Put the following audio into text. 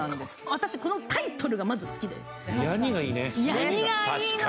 私、このタイトルがまず好きで。